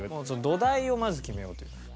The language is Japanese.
土台をまず決めようと。